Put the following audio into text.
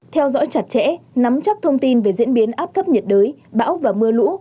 theo dõi chặt chẽ nắm chắc thông tin về diễn biến áp thấp nhiệt đới bão và mưa lũ